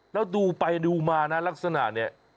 แล้วดูไปดูมานะลักษณะเนี่ย